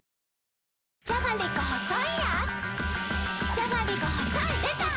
じゃがりこ細いやーつ